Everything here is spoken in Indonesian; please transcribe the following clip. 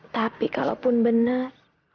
tapi kalau pun benar